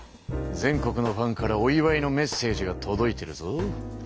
全国のファンからお祝いのメッセージがとどいてるぞ。